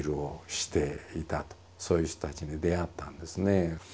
そういう人たちに出会ったんですね。